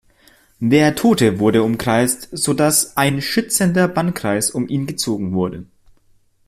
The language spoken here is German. Der Tote wurde umkreist, so dass ein schützender Bannkreis um ihn gezogen wurde.